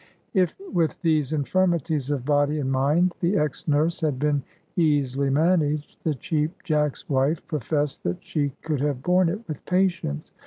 If with these infirmities of body and mind the ex nurse had been easily managed, the Cheap Jack's wife professed that she could have borne it with patience.